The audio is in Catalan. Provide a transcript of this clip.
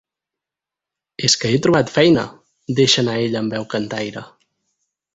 És que he trobat feina —deixa anar ella amb veu cantaire.